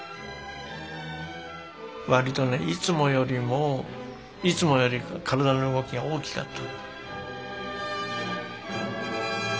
わりとねいつもよりもいつもより体の動きが大きかった。